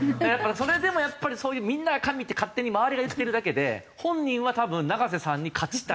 それでもやっぱりそういうみんなが「神！」って勝手に周りが言ってるだけで本人は多分永瀬さんに勝ちたい。